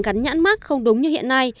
gắn nhãn mắt không đúng như hiện nay